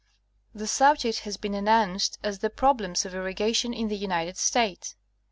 The subject has been announced as the "Problems of Irri gation in the United States."